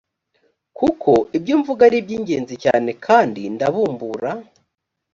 kuko ibyo mvuga ari iby’ingenzi cyane kandi ndabumbura